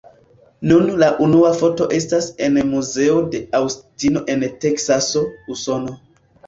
Nun la unua foto estas en muzeo de Aŭstino en Teksaso, Usono.